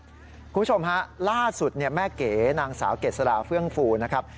คุณผู้ชมฮะล่าสุดแม่เก๋นางสาวเกษราเฟื่องฟูนะครับ